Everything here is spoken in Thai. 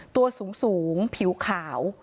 ตัวสูงผิวขาว